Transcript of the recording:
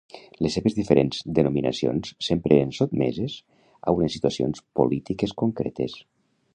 Les seves diferents denominacions sempre eren sotmeses a unes situacions polítiques concretes.